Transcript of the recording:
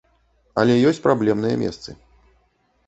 Але ёсць праблемныя месцы.